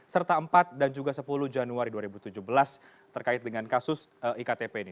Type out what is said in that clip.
serta empat dan juga sepuluh januari dua ribu tujuh belas terkait dengan kasus iktp ini